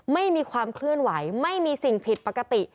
ไม่มีความเคลื่อนไหวไม่มีสิ่งผิดปกติ